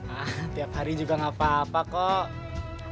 hah tiap hari juga ga apa apa kok